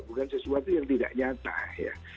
bukan sesuatu yang tidak nyata ya